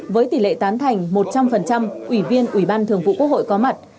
với tỷ lệ tán thành một trăm linh ủy viên ủy ban thường vụ quốc hội có mặt